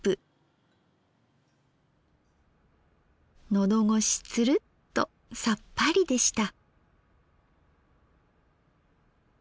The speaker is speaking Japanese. のどごしツルッとさっぱりでした。